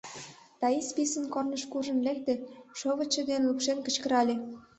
Таис писын корныш куржын лекте, шовычшо дене лупшен, кычкырале: